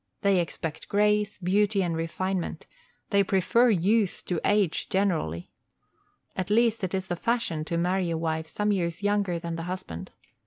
They expect grace, beauty, and refinement; they prefer youth to age, generally. At least it is the fashion to marry a wife some years younger than the husband.